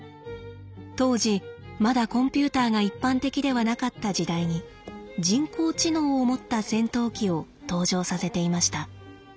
当時まだコンピューターが一般的ではなかった時代に人工知能を持った戦闘機を登場させていました。